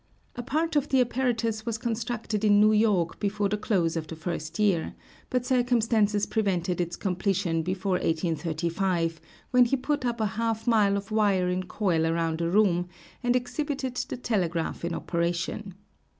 A part of the apparatus was constructed in New York before the close of the first year, but circumstances prevented its completion before 1835, when he put up a half mile of wire in coil around a room and exhibited the telegraph in operation.